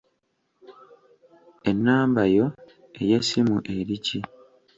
Ennamba yo ey'essimu eri ki?